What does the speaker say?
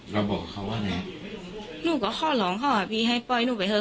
แล้วบอกเขาว่าไงหนูก็ขอร้องเขาอ่ะพี่ให้ปล่อยหนูไปเถอ